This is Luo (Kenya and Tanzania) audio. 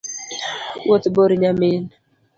Wuoth bor nyamin